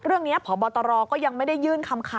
เรื่องนี้ผอบตรก็ยังไม่ได้ยื่นคำขาด